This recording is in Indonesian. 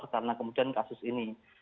karena kemudian kasus ini